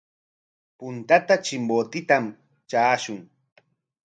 Puntata Chimbotetam traashun.